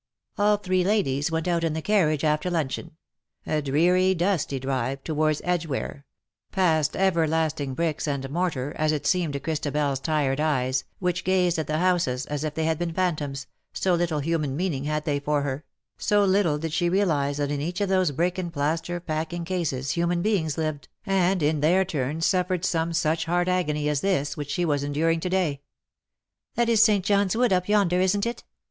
All three ladies went out in the carriage after luncheon — a dreary, dusty drive, towards Edgware — past everlasting bricks and mortar, as it seemed to Christabel's tired eyes, which gazed at the houses as if they had been phantoms, so little human meaning had they for her — so little did she realize that in each of those brick and plaster packing cases human beings lived, and, in their LE SECRET DE POLICHINELLE. 273 turn, suffered some such heart agony as this which she was enduring to day. ''That is St. John's Wood up yonder, isn't it?''